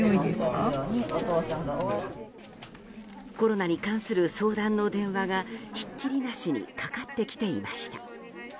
コロナに関する相談の電話がひっきりなしにかかってきていました。